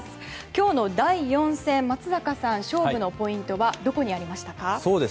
今日の第４戦、松坂さん勝負のポイントはどこにありましたか？